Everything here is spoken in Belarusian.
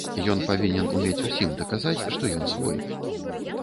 Ён павінен умець усім даказаць, што ён свой.